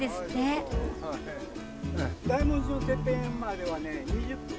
大文字のてっぺんまではね。